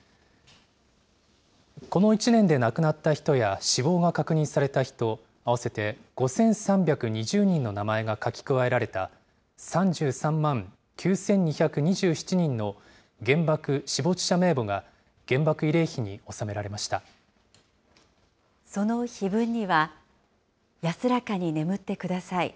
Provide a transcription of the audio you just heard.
この１年で亡くなった人や死亡が確認された人、合わせて５３２０人の名前が書き加えられた、３３万９２２７人の原爆死没者名簿が、その碑文には、安らかに眠ってください。